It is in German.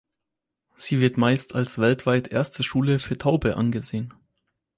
Sie wird meist als weltweit erste Schule für Taube angesehen.